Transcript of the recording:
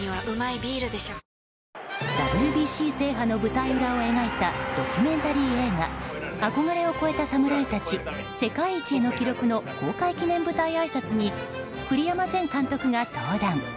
ＷＢＣ制覇の舞台裏を描いたドキュメンタリー映画「憧れを超えた侍たち世界一への記録」の公開記念舞台あいさつに栗山前監督が登壇。